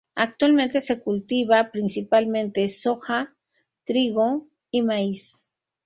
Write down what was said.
Actualmente se cultiva principalmente soja, trigo y maíz.